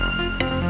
anak buah kang darman